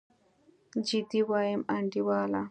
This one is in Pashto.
جدي وايم انډيواله.